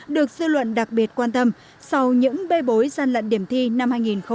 được dư luận đặc biệt quan tâm sau những bê bối gian lận điểm thi năm hai nghìn một mươi tám